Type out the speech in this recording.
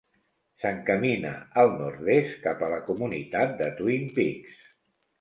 S'encamina al nord-est, cap a la comunitat de Twin Peaks.